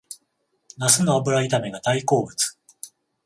ナスの油炒めが大好物